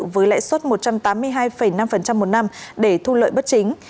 với lãi suất một trăm tám mươi hai năm một năm để thu lợi bất chính